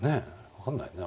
分かんないね。